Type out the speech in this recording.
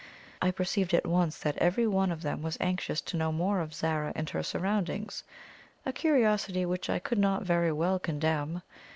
I perceived at once that every one of them was anxious to know more of Zara and her surroundings a curiosity which I could not very well condemn.